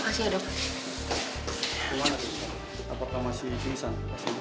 gimana tuh apa kamu masih insan